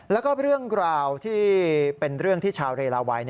แล้วก็เรื่องราวที่เป็นเรื่องที่ชาวเรลาวัย